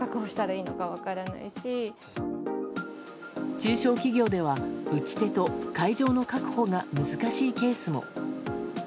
中小企業では打ち手と会場の確保が難しいケースも。